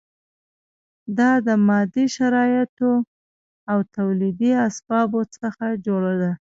دا د مادي شرایطو او تولیدي اسبابو څخه جوړه ده.